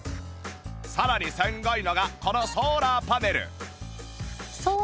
さらにすごいのがこのソーラーパネル